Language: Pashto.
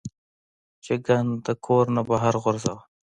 چې ګند د کور نه بهر غورځوه -